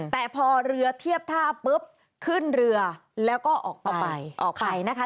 แต่พอเรือเทียบท่าปุ๊บขึ้นเรือแล้วก็ออกไปออกไปนะคะ